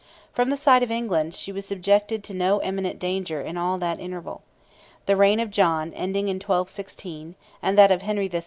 From the side of England, she was subjected to no imminent danger in all that interval. The reign of John ending in 1216, and that of Henry III.